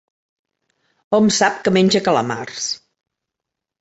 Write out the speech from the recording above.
Hom sap que menja calamars.